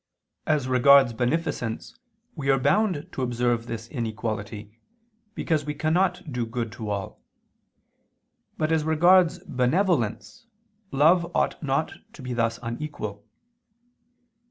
As regards beneficence we are bound to observe this inequality, because we cannot do good to all: but as regards benevolence, love ought not to be thus unequal.